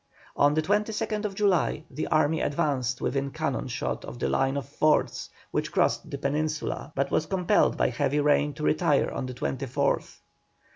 On the 22nd July the army advanced within cannon shot of the line of forts which crossed the peninsula, but was compelled by heavy rain to retire on the 24th.